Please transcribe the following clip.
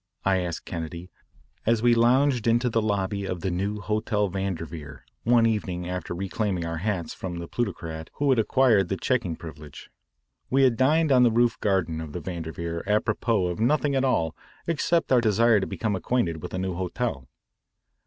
I asked Kennedy as we lounged into the lobby of the new Hotel Vanderveer one evening after reclaiming our hats from the plutocrat who had acquired the checking privilege. We had dined on the roof garden of the Vanderveer apropos of nothing at all except our desire to become acquainted with a new hotel.